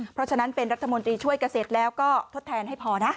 เพราะฉะนั้นเป็นรัฐมนตรีช่วยเกษตรแล้วก็ทดแทนให้พอนะ